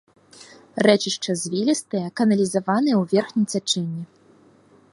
Рэчышча звілістае, каналізаванае ў верхнім цячэнні.